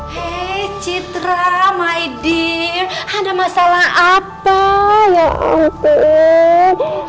hei citra my dear ada masalah apa ya ampun